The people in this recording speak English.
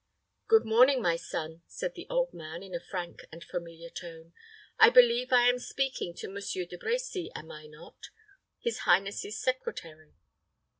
"Good morning, my son," said the old man, in a frank and familiar tone. "I believe I am speaking to Monsieur De Brecy, am I not? his highness's secretary."